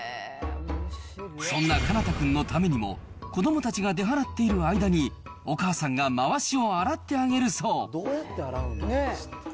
そんな奏君のためにも、子どもたちが出払っている間に、お母さんがまわしを洗ってあげるそう。